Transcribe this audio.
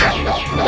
dia putraku abikara